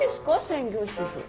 専業主婦。